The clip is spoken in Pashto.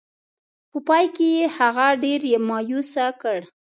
په پای کې یې هغه ډېر مایوس کړ.